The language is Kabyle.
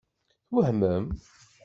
Twehmem?